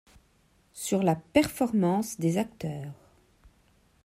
Sur la performance des acteurs.